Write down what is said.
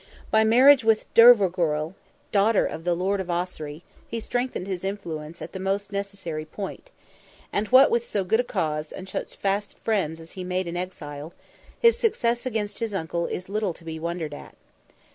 By marriage with Dervorgoil, daughter of the Lord of Ossory, he strengthened his influence at the most necessary point; and what, with so good a cause and such fast friends as he made in exile, his success against his uncle is little to be wondered at.